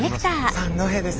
三戸です。